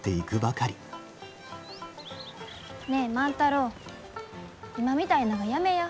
ねえ万太郎今みたいながやめや。